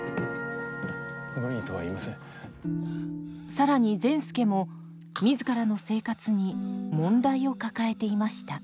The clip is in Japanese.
更に善輔も自らの生活に問題を抱えていました。